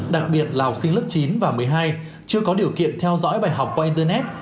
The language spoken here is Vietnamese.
đặc biệt là học sinh lớp chín và một mươi hai chưa có điều kiện theo dõi bài học qua internet